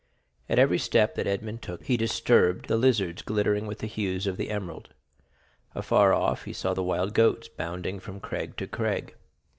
At every step that Edmond took he disturbed the lizards glittering with the hues of the emerald; afar off he saw the wild goats bounding from crag to crag.